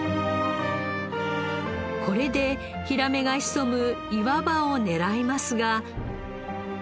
これでヒラメが潜む岩場を狙いますが。